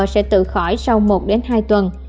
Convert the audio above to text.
sẽ tự khỏi sau một hai tuần